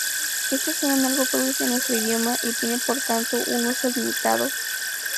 Estas suenan algo pobres en nuestro idioma y tienen por tanto un uso limitado.